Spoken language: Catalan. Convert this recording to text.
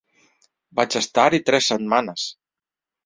Vaig estar-hi tres setmanes.